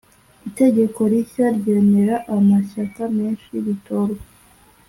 itegeko rishya ryemera amashyaka menshi ritorwa